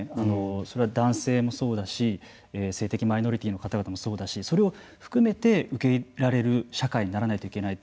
それは男性もそうだし性的マイノリティーの方もそうだしそれを含めて受け入れられる社会にならないといけないと。